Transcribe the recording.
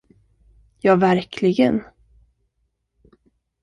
Ja, verkligen.